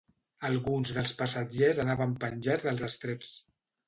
Alguns dels passatgers anaven penjats dels estreps.